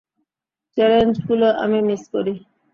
চ্যালেঞ্জগুলো আমি মিস করি।